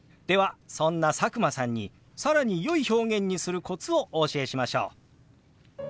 そんな佐久間さんに更によい表現にするコツをお教えしましょう。